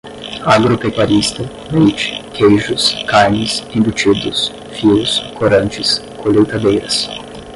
agropecuarista, leite, queijos, carnes, embutidos, fios, corantes, colheitadeiras